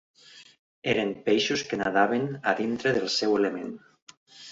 Eren peixos que nadaven a dintre del seu element.